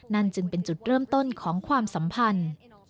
นั่นจึงเป็นจุดเริ่มต้นของความสัมพันธ์